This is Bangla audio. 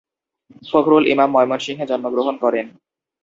ফখরুল ইমাম ময়মনসিংহে জন্মগ্রহণ করেন।